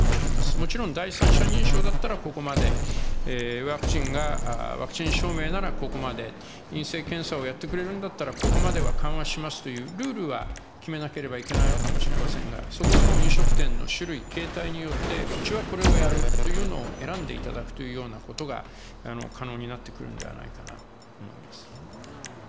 もちろん、第三者認証だったらここまで、ワクチンが、ワクチン証明ならここまで、陰性検査をやってくれるんだったらここまでは緩和しますというルールは、決めなければいけないのかもしれませんが、そこはもう飲食店の種類、形態によって、うちはこれをやるというようなのを選んでいただくというようなことが可能になってくるんではないかなと思います。